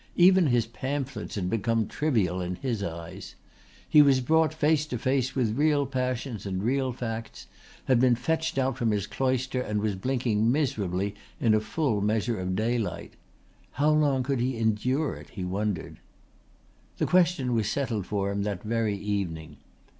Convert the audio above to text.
Even his pamphlets had become trivial in his eyes. He was brought face to face with real passions and real facts, he had been fetched out from his cloister and was blinking miserably in a full measure of daylight. How long could he endure it, he wondered? The question was settled for him that very evening.